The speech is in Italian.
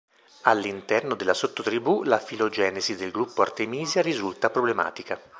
All'interno della sottotribù la filogenesi del "”Gruppo Artemisia”" risulta problematica.